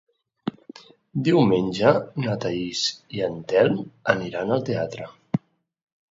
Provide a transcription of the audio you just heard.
Diumenge na Thaís i en Telm aniran al teatre.